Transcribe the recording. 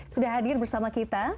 sudah hadir bersama kita